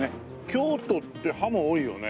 京都ってハモ多いよね。